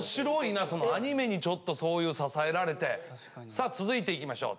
さあ続いていきましょう。